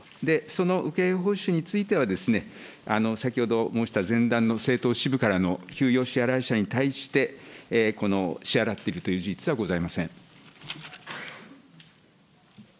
その請け負い報酬については、先ほど申した前段の政党支部からの給与支払い者に対して、この支払っているという事実はございません。